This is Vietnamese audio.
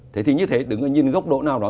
thế thì như thế đứng ở nhìn góc độ nào đó